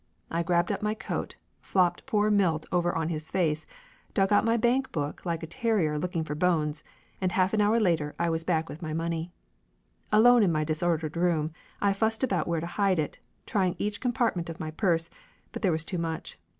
I grabbed up my coat, flopped poor Milt over on his face, dug out my bank book like a terrier looking for bones, and half an hour later I was back with my money. Alone in my disordered room I fussed about where to hide it, trying each compartment of my purse, but there was too much.